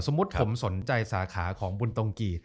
สมมุติผมสนใจสาขาของบุญตงกิ